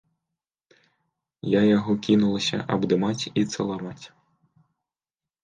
Я яго кінулася абдымаць і цалаваць.